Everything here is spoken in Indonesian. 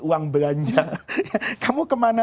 uang belanja kamu kemana